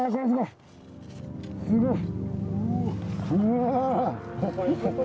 すごい！